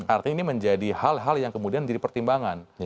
artinya ini menjadi hal hal yang kemudian jadi pertimbangan